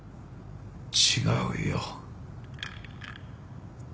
違うよ